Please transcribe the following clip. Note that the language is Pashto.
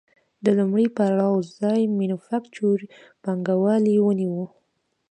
د لومړي پړاو ځای مینوفکچور پانګوالي ونیو